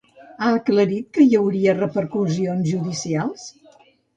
Ha aclarit que hi hauria repercussions judicials?